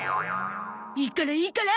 いいからいいから。